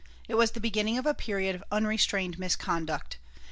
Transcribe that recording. It was the beginning of a period of unrestrained misconduct.